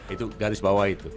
itu garis bawah itu